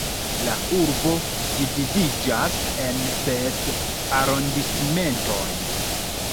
La urbo dividiĝas en ses arondismentoj.